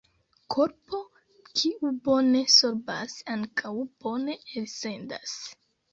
Korpo kiu bone sorbas ankaŭ bone elsendas.